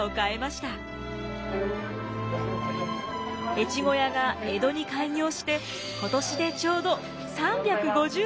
越後屋が江戸に開業して今年でちょうど３５０年。